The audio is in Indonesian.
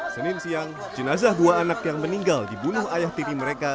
senin siang jenazah dua anak yang meninggal dibunuh ayah tiri mereka